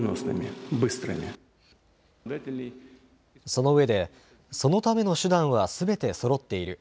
そのうえでそのための手段はすべてそろっている。